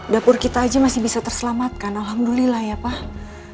dapur kita aja masih bisa terselamatkan alhamdulillah ya pak